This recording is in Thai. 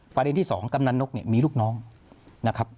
ประเด็นที่๒กำนันนกเนี่ยมีลูกน้องนะครับ